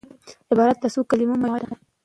عبارت د څو کليمو مجموعه ده.